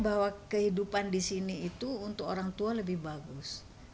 bahwa kehidupan di sini itu untuk orang tua lebih bagus